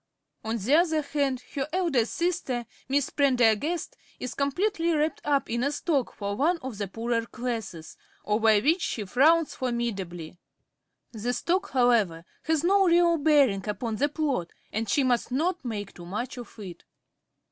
On the other hand, her elder sister_, Miss Prendergast, _is completely wrapped up in a sock for one of the poorer classes, over which she frowns formidably. The sock, however, has no real bearing upon the plot, and she must not make too much of it.